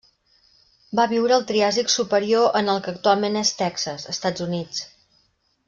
Va viure al Triàsic superior en el que actualment és Texas, Estats Units.